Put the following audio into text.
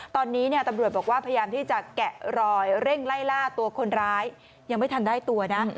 ตอนนี้ตำรวจบอกว่าพยายามที่จะแกะรอยเร่งไล่ล่าตัวคนร้ายยังไม่ทันได้ตัวนะ